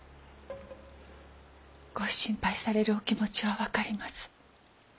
ご心配されるお気持ちは分かります。